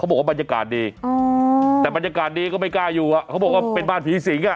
บรรยากาศดีก็ไม่กล้าอยู่อ่ะเขาบอกว่าเป็นบ้านผีสิงอ่ะ